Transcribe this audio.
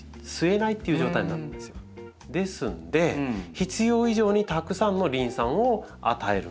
ですので必要以上にたくさんのリン酸を与えるんです。